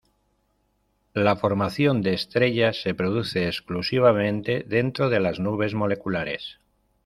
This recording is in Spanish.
La formación de estrellas se produce exclusivamente dentro de las nubes moleculares.